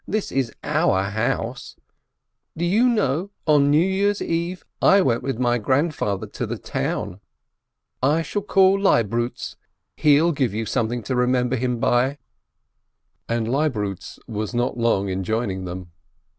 This is our house ! Do you know, on New Year's Eve I went with my grandfather to the town ! I shall call Leibrutz. He'll give you something to remember him by!" And Leibrutz was not long in joining them.